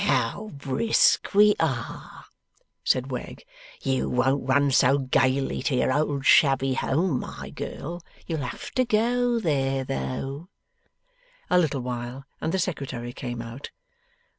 'How brisk we are!' said Wegg. 'You won't run so gaily to your old shabby home, my girl. You'll have to go there, though.' A little while, and the Secretary came out.